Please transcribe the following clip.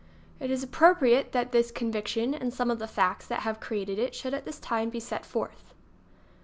It is appropriate that this conviction and some of the facts that have created it should at this time be set forth.